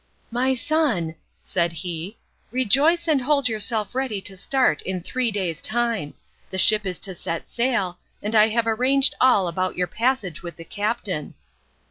"My son," said he, "rejoice and hold yourself ready to start in three days' time. The ship is to set sail, and I have arranged all about your passage with the captain.